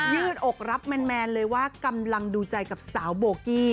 ืดอกรับแมนเลยว่ากำลังดูใจกับสาวโบกี้